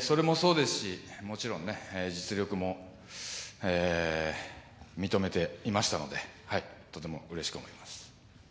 それもそうですしもちろん、実力も認めていましたので、とてもうれしく思います。